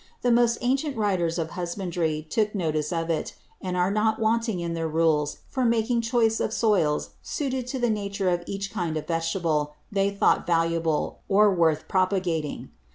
The most ancient Writers of Husbandry took notice of it; and are not wanting in their Rules for making choice of Soils suited to the Nature of each kind of Vegetable they thought valuable, or worth propagating.